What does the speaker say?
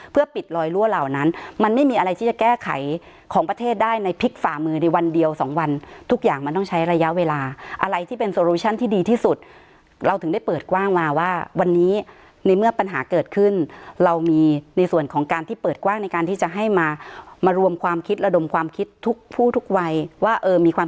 เพื่อปิดลอยรั่วเหล่านั้นมันไม่มีอะไรที่จะแก้ไขของประเทศได้ในพลิกฝ่ามือในวันเดียวสองวันทุกอย่างมันต้องใช้ระยะเวลาอะไรที่เป็นโซรูชั่นที่ดีที่สุดเราถึงได้เปิดกว้างมาว่าวันนี้ในเมื่อปัญหาเกิดขึ้นเรามีในส่วนของการที่เปิดกว้างในการที่จะให้มามารวมความคิดระดมความคิดทุกผู้ทุกวัยว่าเออมีความ